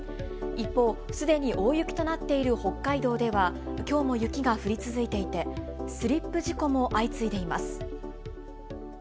一方、すでに大雪となっている北海道では、きょうも雪が降り続いていて、スリップ事故も相次いでいます。